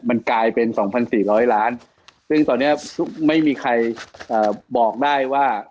มันกลายเป็น๒๔๐๐ล้านซึ่งตอนนี้ไม่มีใครบอกได้ว่า